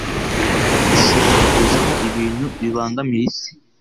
ishobora kuzamo ibintu bibangamira isi,